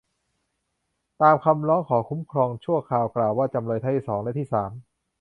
ตามคำร้องขอคุ้มครองชั่วคราวกล่าวว่า จำเลยที่สองและที่สาม